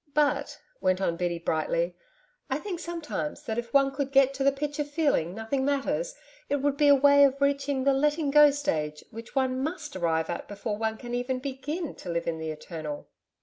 'But,' went on Biddy brightly, 'I think sometimes that if one could get to the pitch of feeling nothing matters, it would be a way of reaching the "letting go" stage which one MUST arrive at before one can even BEGIN to live in the Eternal.'